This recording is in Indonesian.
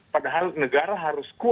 padahal negara harus berbentuk